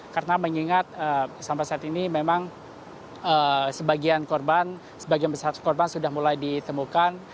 karena mengingat sampai saat ini memang sebagian korban sebagian besar korban sudah mulai ditemukan